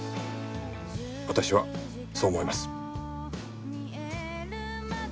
私はそう思います。